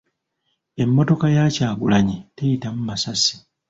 Emmotoka ya Kagulanyi teyitamu masasi.